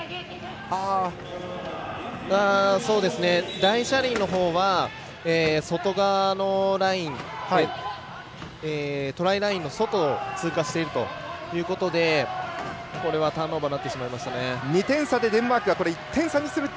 大車輪のほうは外側のライントライラインの外を通過しているということでこれはターンオーバーになってしまいました。